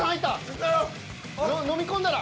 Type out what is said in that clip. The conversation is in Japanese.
飲み込んだら。